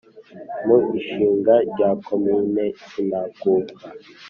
mu ishinga rya komine sinakuka